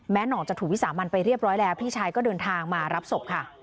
หน่องจะถูกวิสามันไปเรียบร้อยแล้วพี่ชายก็เดินทางมารับศพค่ะ